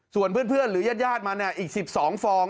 ส่วนเพื่อนหรือยาดมาเนี่ยอีกสิบสองฟอง